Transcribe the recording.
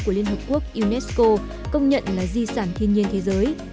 của liên hợp quốc unesco công nhận là di sản thiên nhiên thế giới